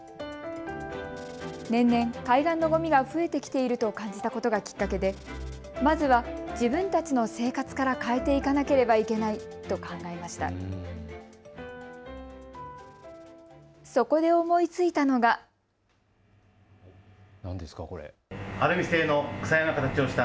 年々、海岸のごみが増えてきていると感じたことがきっかけでまずは自分たちの生活から変えていかなければいけないと考えました。